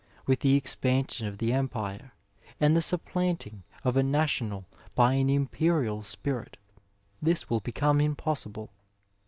With the expansion of the Empire, and the supplanting of a national by an imperial spirit this will become impossible.